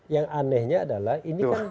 yang anehnya adalah ini kan